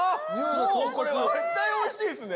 もうこれは絶対おいしいっすね！